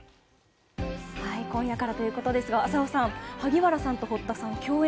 今夜からということですが浅尾さん、萩原さんと堀田さん共演